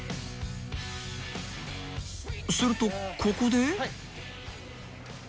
［するとここで］